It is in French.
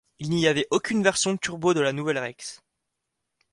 Il n'y avait aucune version turbo de la nouvelle Rex.